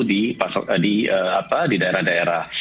di pasokan di apa di daerah daerah